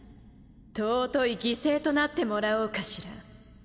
尊い犠牲となってもらおうかしら。